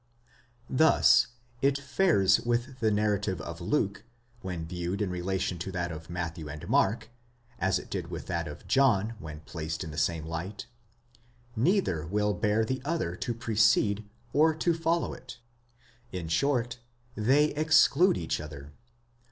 Thus, it fares with the narrative of Luke, when viewed in relation to that of Matthew and Mark, as it did with that of John, when placed in the same light ; neither will bear the other to precede, or to follow it,—in short, they exclude each other.